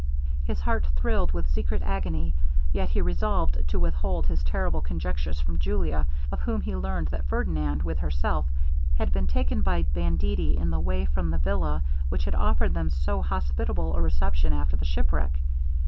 His heart thrilled with secret agony, yet he resolved to withhold his terrible conjectures from Julia, of whom he learned that Ferdinand, with herself, had been taken by banditti in the way from the villa which had offered them so hospitable a reception after the shipwreck.